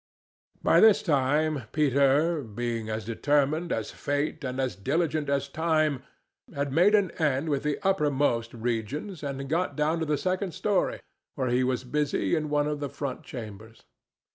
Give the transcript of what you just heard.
By this time, Peter, being as determined as fate and as diligent as time, had made an end with the uppermost regions and got down to the second story, where he was busy in one of the front chambers.